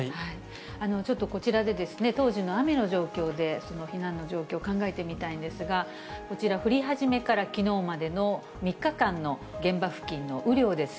ちょっとこちらで、当時の雨の状況で、その避難の状況を考えてみたいんですが、こちら、降り始めからきのうまでの３日間の現場付近の雨量です。